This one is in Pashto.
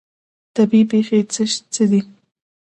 طبیعي پیښې څه دي؟